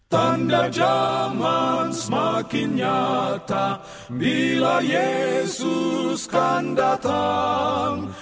tanda jaman semakin nyata bila yesus kan datang